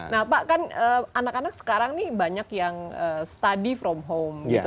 nah pak kan anak anak sekarang nih banyak yang study from home gitu